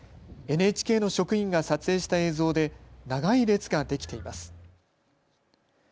ＮＨＫの職員が撮影した映像で長い列ができています。